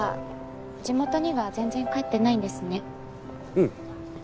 うん。